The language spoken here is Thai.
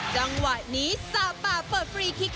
จังหวะนี้สาวป่าเปิดฟรีคลิก